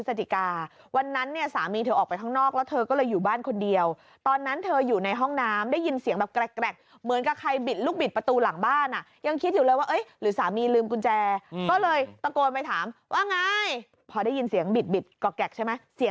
เกิดขึ้นช่วงสายสายวันที่หกพฤษฎิกาวันนั้นเนี้ยสามีเธอออกไปข้างนอกแล้วเธอก็เลยอยู่บ้านคนเดียวตอนนั้นเธออยู่ในห้องน้ำได้ยินเสียงแบบแกรกแกรกเหมือนกับใครบิดลูกบิดประตูหลังบ้านอ่ะยังคิดอยู่เลยว่าเอ๊ยหรือสามีลืมกุญแจอืมก็เลยตะโกนไปถามว่าไงพอได้ยินเสียงบิดบิดกรอกแกร